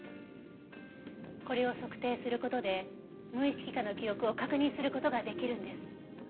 これを測定する事で無意識下の記憶を確認する事ができるんです。